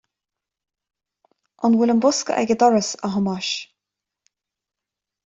An bhfuil an bosca ag an doras, a Thomáis